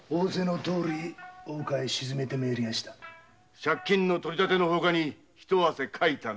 借金の取りたてのほかにひと汗かいたな。